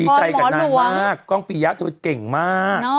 ดีใจกันนานมากกล้องปียะเก่งมาก